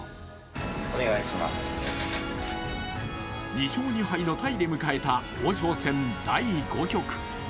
２勝２敗のタイで迎えた王将戦第５局。